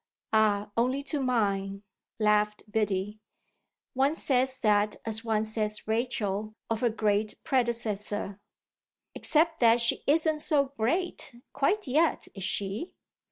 "Ah only to mine!" laughed Biddy. "One says that as one says 'Rachel' of her great predecessor." "Except that she isn't so great, quite yet, is she?"